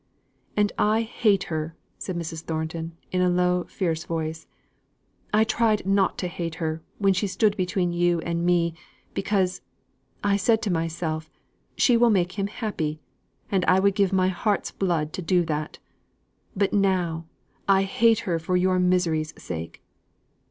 "And I hate her," said Mrs. Thornton, in a low fierce voice. "I tried not to hate her, when she stood between you and me, because, I said to myself, she will make him happy; and I would give my heart's blood to do that. But now, I hate her for your misery's sake.